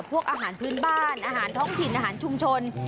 อาหารพื้นบ้านอาหารท้องถิ่นอาหารชุมชน